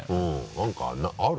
何かある？